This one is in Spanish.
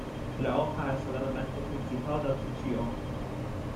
La hoja es el elemento principal del cuchillo.